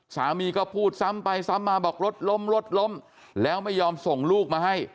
สามีก็พูดซ้ำไปซ้ำมาบอกรถล้มรถล้มแล้วไม่ยอมส่งลูกมาให้